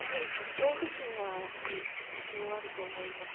恐怖心は多少はあると思います。